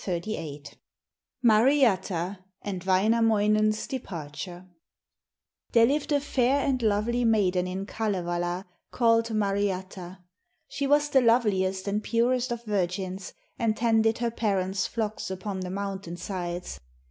MARIATTA AND WAINAMOINEN'S DEPARTURE There lived a fair and lovely maiden in Kalevala, called Mariatta. She was the loveliest and purest of virgins, and tended her parents' flocks upon the mountain sides.